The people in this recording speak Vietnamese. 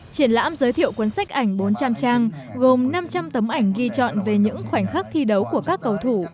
triển lãm giới thiệu cuốn sách ảnh bốn trăm linh trang gồm năm trăm linh tấm ảnh ghi chọn về những khoảnh khắc thi đấu của các cầu thủ